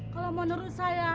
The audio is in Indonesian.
kalo menurut saya